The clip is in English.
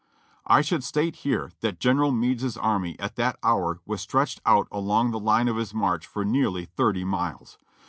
"I should state here that General Meade's army at that hour was stretched out along the line of his march for nearly thirty miles.